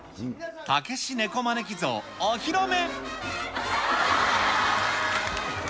たけし猫招き像お披露目。